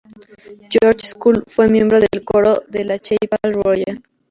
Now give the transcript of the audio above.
Georges School, fue miembro del coro de la Chapel Royal.